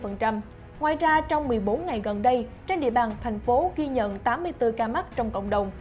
ngoài ra trong một mươi bốn ngày gần đây trên địa bàn thành phố ghi nhận tám mươi bốn ca mắc trong cộng đồng